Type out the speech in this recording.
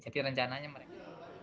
jadi rencananya mereka